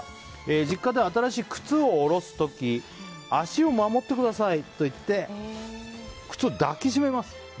実家で新しい靴を下ろす時足を守ってくださいと言って靴を抱きしめます。